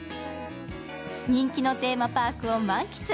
人気のテーマパークを満喫。